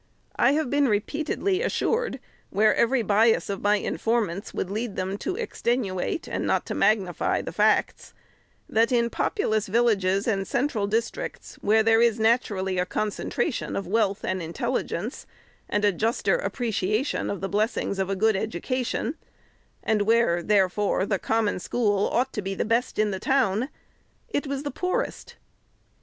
I have been repeatedly assured, where every bias of my FIRST ANNUAL REPORT. 413 informants would lead them to extenuate and not to mag nify the facts, that, in populous villages and central dis tricts, where there is naturally a concentration of wealth and intelligence, and a juster appreciation of the blessings of a good education, and where, therefore, the Common School ought to be the best in the town, it was the poor est.